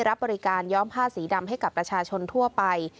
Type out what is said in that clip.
รับบริการย้อมผ้าสีดำให้กับประชาชนทั่วไป